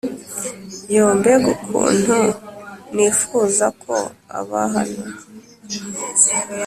yoo mbega ukuntu nifuza ko aba hano,